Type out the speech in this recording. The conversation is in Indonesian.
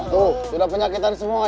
tuh sudah penyakitan semua